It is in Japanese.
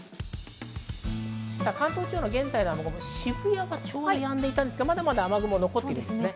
関東地方の現在の雨雲、渋谷はちょうどやんでいたんですが、まだまだ雨雲が残っています。